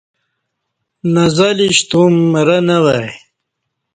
نہ زلی شتوم مرں نہ وای